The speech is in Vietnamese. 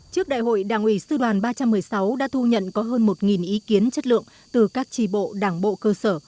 trước đại hội đảng ủy sư đoàn ba trăm một mươi sáu đã thu nhận có hơn một ý kiến chất lượng từ các trì bộ đảng bộ cơ sở